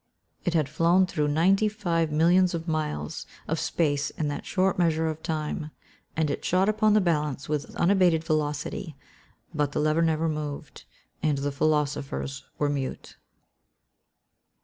It had flown through ninety five millions of miles of space in that short measure of time, and it shot upon the balance with unabated velocity: but the lever moved not, and the philosophers were mute.